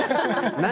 何？